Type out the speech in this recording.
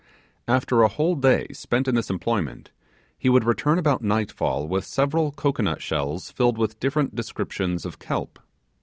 After a whole day spent in this employment, he would return about nightfall with several cocoanut shells filled with different descriptions of kelp.